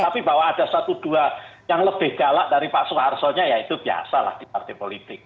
tapi bahwa ada satu dua yang lebih galak dari pak soehartonya ya itu biasalah di partai politik